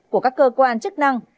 của các cơ quan chức năng